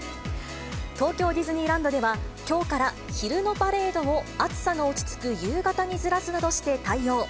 東京ディズニーランドでは、きょうから昼のパレードを暑さの落ち着く夕方にずらすなど、対応。